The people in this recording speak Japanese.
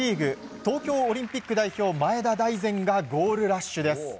東京オリンピック代表前田大然がゴールラッシュです。